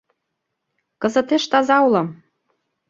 Кызытеш таза улам.